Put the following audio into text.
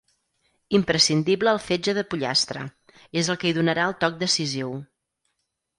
Imprescindible el fetge de pollastre: és el que hi donarà el toc decisiu.